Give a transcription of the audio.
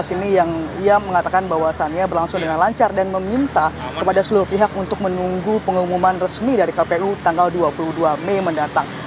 ini yang ia mengatakan bahwasannya berlangsung dengan lancar dan meminta kepada seluruh pihak untuk menunggu pengumuman resmi dari kpu tanggal dua puluh dua mei mendatang